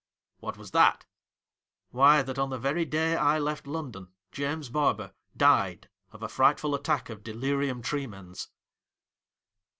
' What was that 1 '' Why, that, on the very day I left London, James Barber died of a frightful attack of delirium tremens